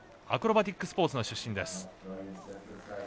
アクロバティックスポーツの出身。